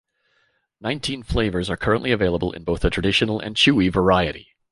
Nineteen flavors are currently available in both the Traditional and Chewy variety.